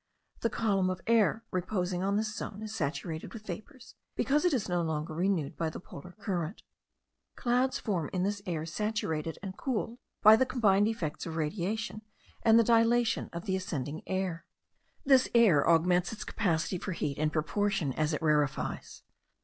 The column of air reposing on this zone, is saturated with vapours, because it is no longer renewed by the polar current. Clouds form in this air saturated and cooled by the combined effects of radiation and the dilatation of the ascending air. This air augments its capacity for heat in proportion as it rarefies.